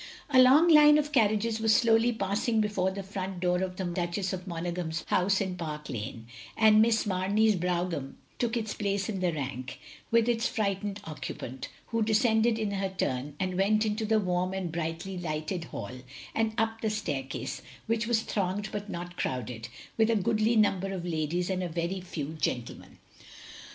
A long line of carriages was slowly passing before the front door of the Duchess of Monaghan's house in Park Lane, and Miss Mamey's brougham took its place in the rank, with its frightened occupant; who descended in her turn, and went into the warm and brightly lighted hall, and up the staircase, which was thronged but not crowded, with a goodly number of ladies and a very few gentlemen.